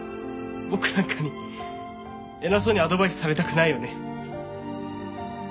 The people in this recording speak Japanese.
僕なんかに偉そうにアドバイスされたくないよね。